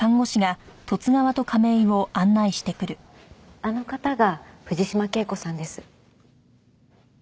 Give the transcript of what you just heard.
あの方が藤島圭子さんです。